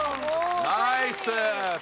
ナイス！